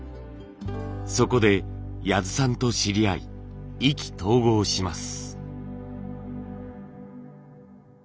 そこで谷津さんと知り合い意気投合します。